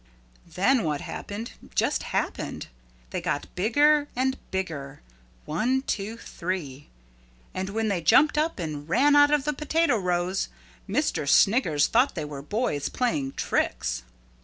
Then what happened just happened. They got bigger and bigger one, two, three. And when they jumped up and ran out of the potato rows, Mr. Sniggers thought they were boys playing tricks.